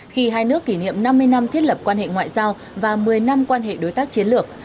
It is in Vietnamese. khi hai nước kỷ niệm năm mươi năm thiết lập quan hệ ngoại giao và một mươi năm quan hệ đối tác chiến lược